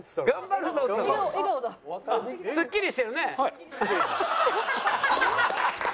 「頑張るぞー！」